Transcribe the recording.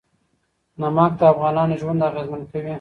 نمک د افغانانو ژوند اغېزمن کوي.